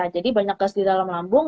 jadi banyak gas di dalam lambung